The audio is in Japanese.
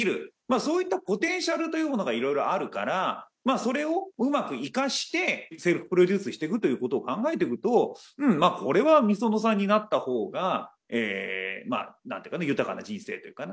そういったポテンシャルというものがいろいろあるからそれをうまく生かしてセルフプロデュースしていくという事を考えていくとこれはｍｉｓｏｎｏさんになった方がなんというかね豊かな人生というかね